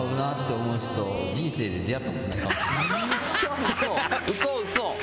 うそうそ！